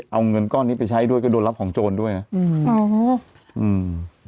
เอาเงินก้อนนี้ไปใช้ด้วยก็โดนรับของโจรด้วยนะ